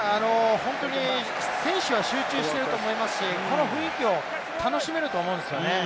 選手は集中していると思いますし、この雰囲気を楽しめると思うんですよね。